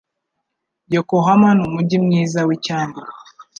Yokohama numujyi mwiza wicyambu.